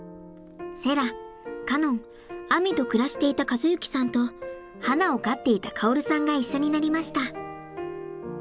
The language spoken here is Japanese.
セラカノンあみと暮らしていた和之さんとはなを飼っていた薫さんが一緒になりました。